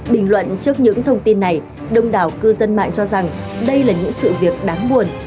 bình luận trước những thông tin này đông đảo cư dân mạng cho rằng đây là những sự việc đáng buồn